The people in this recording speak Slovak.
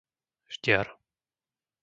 Ždiar